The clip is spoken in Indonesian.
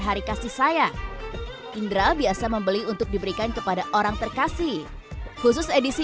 hari kasih sayang indra biasa membeli untuk diberikan kepada orang terkasih khusus edisi